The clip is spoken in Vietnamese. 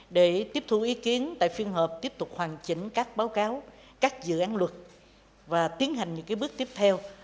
để tiếp thu ý kiến tại phiên họp tiếp tục hoàn chỉnh các báo cáo các dự án luật và tiến hành những bước tiếp theo